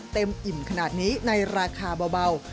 อิ่มขนาดนี้ในราคาเบา